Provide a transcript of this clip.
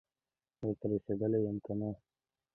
ورته رسېدلی یم که نه،